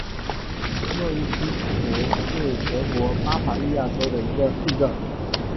诺伊西茨是德国巴伐利亚州的一个市镇。